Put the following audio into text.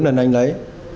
khoảng bốn lần anh lấy